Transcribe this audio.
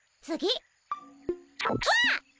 わっ！